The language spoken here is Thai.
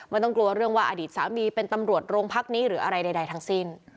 ไม่ต้องกลัวเรื่องว่าอดีตสามีเป็นตำรวจโรงพักนี้หรืออะไรใดทั้งสิ้น